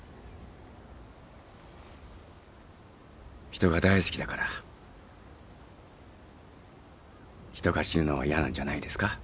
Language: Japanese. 人が大好きだから人が死ぬのは嫌なんじゃないですか？